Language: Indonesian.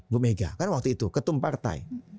bumega kan waktu itu ketum partai